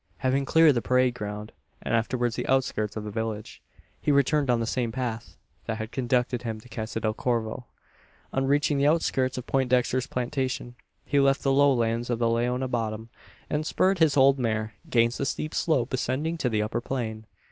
Having cleared the parade ground, and afterwards the outskirts of the village, he returned on the same path that had conducted him from Casa Del Corvo. On reaching the outskirts of Poindexter's plantation, he left the low lands of the Leona bottom, and spurred his old mare 'gainst the steep slope ascending to the upper plain.